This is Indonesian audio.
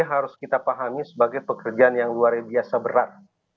harus kita pahami sebagai pekerjaan yang luar biasa berat